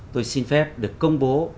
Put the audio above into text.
tôi xin phép được công bố